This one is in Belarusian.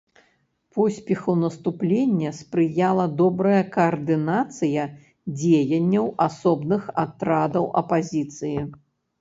Поспеху наступлення спрыяла добрая каардынацыя дзеянняў асобных атрадаў апазіцыі.